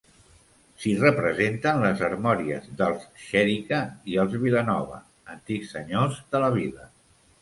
S'hi representen les armories dels Xèrica i els Vilanova, antics senyors de la vila.